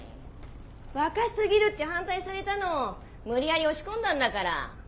若すぎるって反対されたのを無理やり押し込んだんだから。